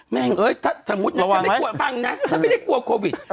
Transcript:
แม่งเอ้ยถ้าสมมุติฉันไม่กลัวตังค์นะฉันไม่ได้กลัวโควิด